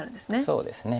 そうですね。